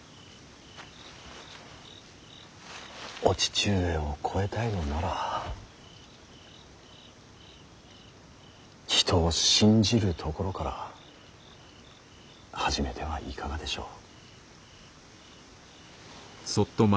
お父上を超えたいのなら人を信じるところから始めてはいかがでしょう。